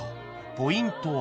［ポイントは］